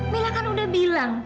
mila kan udah bilang